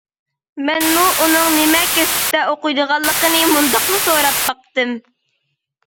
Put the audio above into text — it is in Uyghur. مەنمۇ ئۇنىڭ نېمە كەسىپتە ئوقۇيدىغانلىقىنى مۇنداقلا سوراپ باقتىم.